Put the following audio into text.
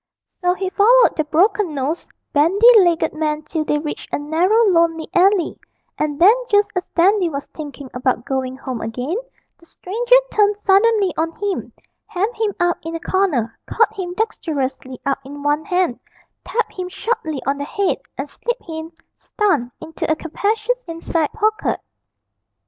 So he followed the broken nosed, bandy legged man till they reached a narrow lonely alley, and then just as Dandy was thinking about going home again, the stranger turned suddenly on him, hemmed him up in a corner, caught him dexterously up in one hand, tapped him sharply on the head, and slipped him, stunned, into a capacious inside pocket.